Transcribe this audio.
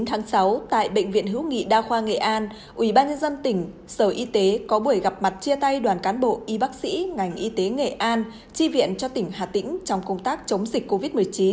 ngày tám tháng sáu tại bệnh viện hữu nghị đa khoa nghệ an ubnd tỉnh sở y tế có buổi gặp mặt chia tay đoàn cán bộ y bác sĩ ngành y tế nghệ an chi viện cho tỉnh hà tĩnh trong công tác chống dịch covid một mươi chín